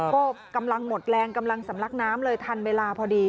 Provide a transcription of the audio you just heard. ก็กำลังหมดแรงกำลังสำลักน้ำเลยทันเวลาพอดี